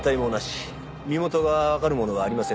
身元がわかるものはありませんでした。